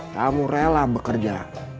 kamu rela bekerja